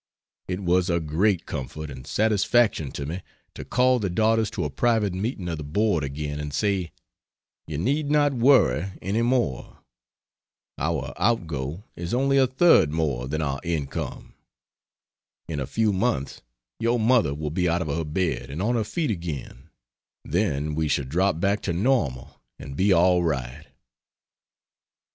It was a great comfort and satisfaction to me to call the daughters to a private meeting of the Board again and say, "You need not worry any more; our outgo is only a third more than our income; in a few months your mother will be out of her bed and on her feet again then we shall drop back to normal and be all right."